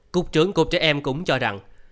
cục trưởng cục trẻ em cũng cho rằng